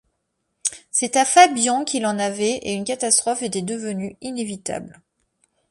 C’est à Fabian qu’il en avait, et une catastrophe était devenue inévitable.